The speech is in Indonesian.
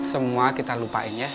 semua kita lupain ya